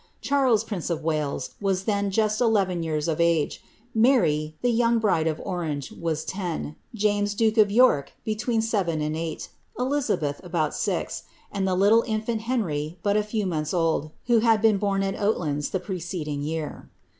Charles, prince of Wales, was then just eleven years of age; Mary, the young bride of Orange, was ten; James, duke of Tork, between seven and eight; Elizabeth, about six; and the little io^t Henry, but a few mouths old, who had been born at Oadands the preceding year.